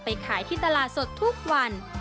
ขายที่ตลาดสดทุกวัน